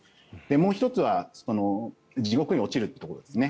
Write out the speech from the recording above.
もう１つは、地獄に落ちるというところですね。